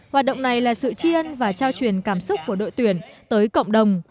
hoạt động này là sự chiên và trao truyền cảm xúc của đội tuyển tới cộng đồng